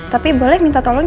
tapi boleh minta tolong